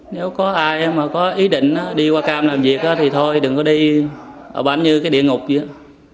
nếu có ai mà có ý định đi qua cam làm việc thì thôi đừng có đi ở bản như cái địa ngục vậy